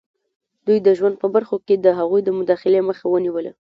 دوی د ژوند په برخو کې د هغوی د مداخلې مخه ونیوله.